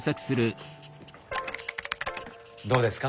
どうですか？